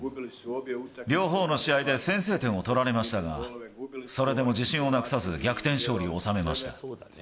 両方の試合で先制点を取られましたが、それでも自信をなくさず、逆転勝利を収めました。